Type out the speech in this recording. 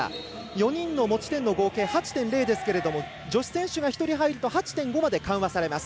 ４人の持ち点の合計は８．０ですけれども女子選手が１人入ると８．５まで緩和されます。